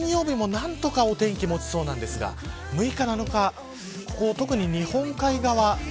金曜日も、何とかお天気がもちそうなんですが６日、７日特に日本海側